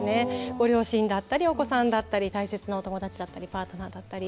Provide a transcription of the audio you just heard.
ご両親だったりお子さんだったり大切なお友達だったりパートナーだったり。